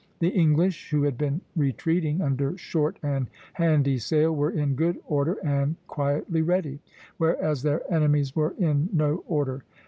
The English, who had been retreating under short and handy sail, were in good order and quietly ready; whereas their enemies were in no order (B).